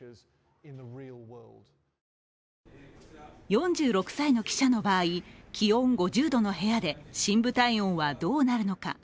４６歳の記者の場合、気温５０度の部屋で深部体温はどうなるのか。